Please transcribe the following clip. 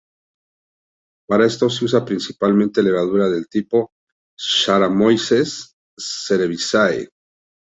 Para esto se usa principalmente levadura del tipo "Saccharomyces cerevisiae".